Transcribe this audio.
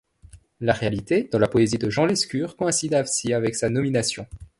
La réalité, dans la poésie de Jean Lescure, coïncide ainsi avec sa nomination.